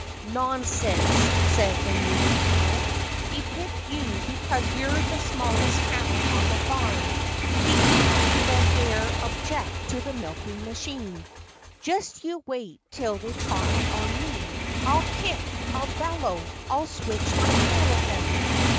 "Nonsense!" said the Muley Cow. "He picked you because you're the smallest cow on the farm. He thinks you wouldn't dare object to the milking machine.... Just you wait till they try it on me! I'll kick! I'll bellow! I'll switch my tail at them!"